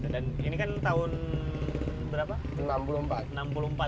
dan ini kan tahun berapa